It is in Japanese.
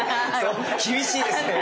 厳しいですね。